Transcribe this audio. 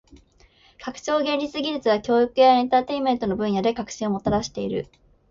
拡張現実技術は教育やエンターテインメントの分野で革新をもたらしている。